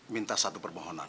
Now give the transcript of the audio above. minta satu permohonan